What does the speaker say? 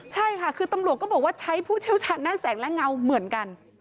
ใช่ค่ะคือตำรวจก็บอกว่าใช้ผู้เชี่ยวชาญด้านแสงและเงาเหมือนกัน